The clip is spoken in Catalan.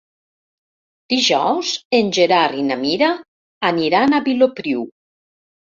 Dijous en Gerard i na Mira aniran a Vilopriu.